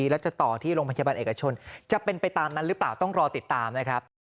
แล้วจะต่อที่โรงพยาบาลเอกชนจะเป็นไปตามนั้นหรือเปล่าต้องรอติดตามนะครับ